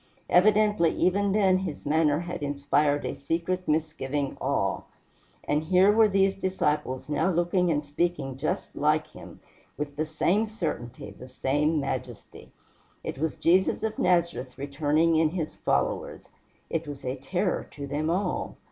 Evidently even then his manner had inspired a secret misgiving awe; and here were these disciples now looking and speaking just like him, with the same certainty, the same majesty. It was Jesus of Nazareth returning in his followers. It was a terror to them all.